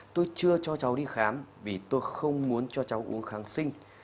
tôi chưa cho cháu đi khám vì tôi không muốn cho cháu uống kháng sinh